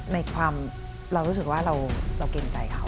ในความเรารู้สึกว่าเราเกรงใจเขา